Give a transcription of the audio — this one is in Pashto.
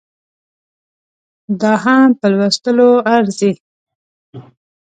دا هم په لوستلو ارزي